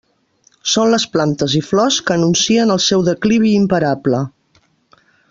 Són les plantes i flors que anuncien el seu declivi imparable.